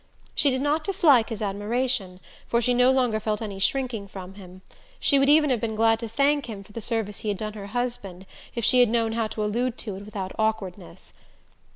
She did not dislike his admiration, for she no longer felt any shrinking from him she would even have been glad to thank him for the service he had done her husband if she had known how to allude to it without awkwardness.